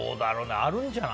あるんじゃない？